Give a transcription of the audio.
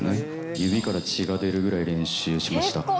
指から血が出るぐらい練習しました。